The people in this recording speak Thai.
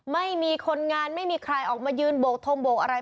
ไม่มีคนงานไม่มีใครออกมายืนโบกทงโบกอะไร